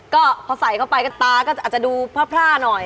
ก็พอใส่เข้าไปก็ตาก็อาจจะดูพร่าหน่อย